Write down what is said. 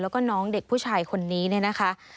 แล้วก็น้องเด็กผู้ชายคนนี้เนี่ยนะคะ